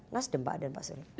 nas dan pak dan pak seri